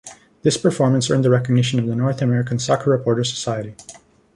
This performance earned the recognition of the North American Soccer Reporters society.